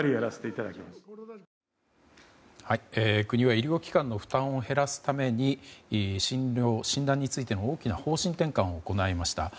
国は医療機関の負担を減らすために診療、診断についての大きな方針転換を行いました。